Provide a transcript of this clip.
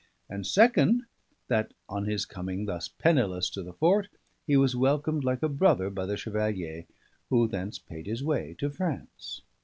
And second, that on his coming thus penniless to the Fort, he was welcomed like a brother by the Chevalier, who thence paid his way to France.